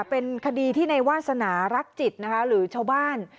เป็นคดีที่ในวาสนารักจิตนะคะหรือชาวบ้าน